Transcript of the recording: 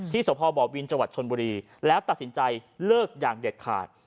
ที่สพบวินจชนบุรีแล้วตัดสินใจเลิกอย่างเด็ดขาด